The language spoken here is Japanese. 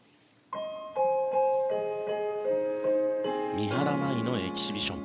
三原舞依のエキシビション。